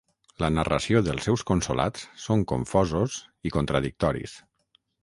La narració dels seus consolats són confosos i contradictoris.